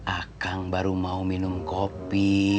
akang baru mau minum kopi